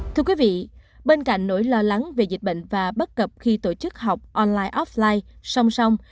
thưa quý vị bên cạnh nỗi lo lắng về dịch bệnh và bất cập khi tổ chức học online offline song song